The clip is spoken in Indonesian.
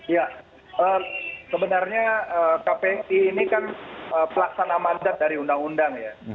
ya sebenarnya kpi ini kan pelaksana mandat dari undang undang ya